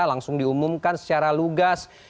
langsung diumumkan secara lugas